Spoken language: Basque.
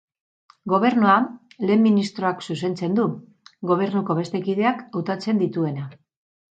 Gobernua lehen ministroak zuzentzen du, Gobernuko beste kideak hautatzen dituena.